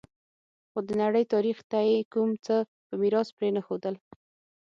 خو د نړۍ تاریخ ته یې کوم څه په میراث پرې نه ښودل